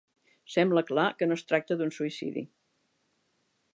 Sembla clar que no es tracta d'un suïcidi.